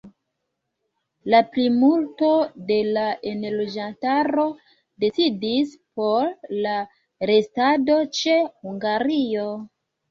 La plimulto de la enloĝantaro decidis por la restado ĉe Hungario.